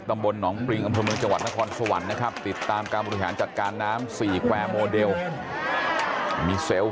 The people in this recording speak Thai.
มันที่อยู่กับปฏิบัติมันอย่างที่แบบนั้น